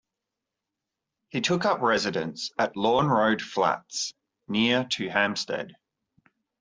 He took up residence at Lawn Road Flats near to Hampstead.